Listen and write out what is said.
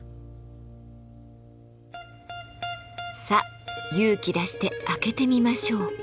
さあ勇気出して開けてみましょう。